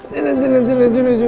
tuhan al saya permisi dulu ya